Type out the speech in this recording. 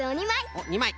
おっ２まい。